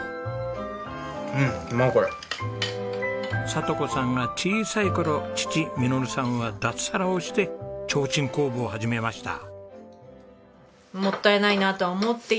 聡子さんが小さい頃父實さんは脱サラをして提灯工房を始めました。